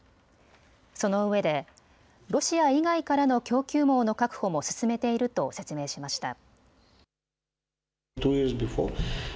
そのうえでロシア以外からの供給網の確保も進めていると説明しました。